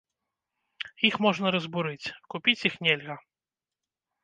Іх можна разбурыць, купіць іх нельга.